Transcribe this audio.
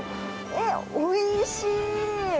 え、おいしい！